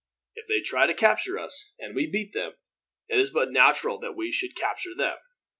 If they try to capture us, and we beat them, it is but natural that we should capture them."